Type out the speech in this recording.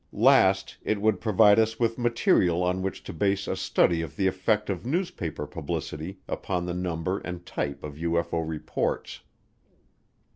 Last, it would provide us with material on which to base a study of the effect of newspaper publicity upon the number and type of UFO reports.